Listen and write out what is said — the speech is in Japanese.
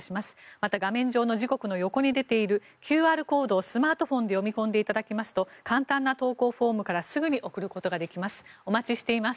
また、画面上の時刻の横に出ているＱＲコードをスマートフォンで読み込んでいただきますと簡単な投稿フォームからすぐに送ることができます。